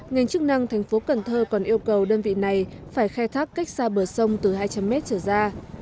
ngành chức năng tp cn còn yêu cầu đơn vị này phải khai thác cách xa bờ sông từ hai trăm linh mét trở ra